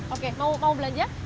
oke mau belanja